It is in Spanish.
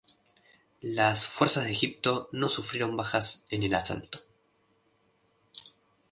Las fuerzas de Egipto no sufrieron bajas en el asalto.